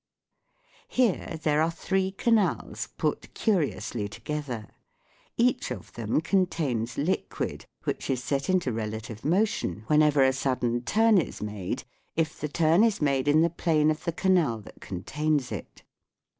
Here there are three canals put curiously together ; each of them contains liquid, which is set into relative motion whenever a sudden turn is made, if the turn is made in the plane of the canal that contains it.